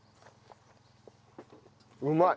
うまい！